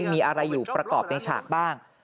มีอะไรอยู่ประกอบในฉากบ้าง